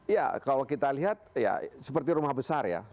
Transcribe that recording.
ya kalau kita lihat ya seperti rumah besar ya